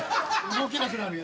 動けなくなるよ。